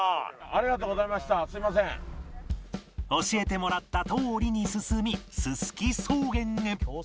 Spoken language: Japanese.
教えてもらったとおりに進みすすき草原へ